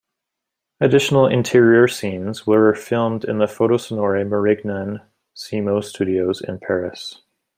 Additional interior scenes were filmed in the Photosonore-Marignan-Simo studios in Paris.